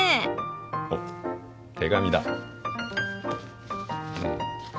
おっ手紙だ。